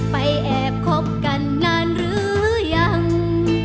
แอบคบกันนานหรือยัง